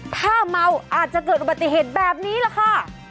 ถ้าเมาอาจจะเกิดอุบัติเหตุแบบนี้แหละค่ะ